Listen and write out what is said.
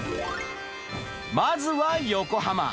まずは横浜。